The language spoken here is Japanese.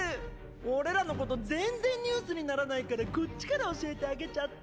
俺らのこと全然ニュースにならないからこっちから教えてあげちゃった！